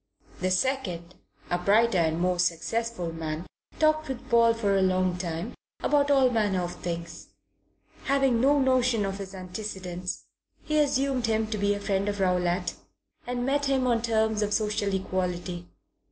The second, a brighter and more successful man, talked with Paul for a long time about all manner of things. Having no notion of his antecedents, he assumed him to be a friend of Rowlatt and met him on terms of social equality.